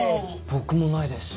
僕もないです。